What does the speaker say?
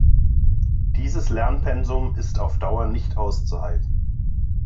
Dieses Lernpensum ist auf Dauer nicht auszuhalten.